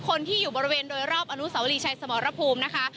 คนที่อยู่บริเวณโดยรอบอนุสาวรีชัยสมรภูมินะคะ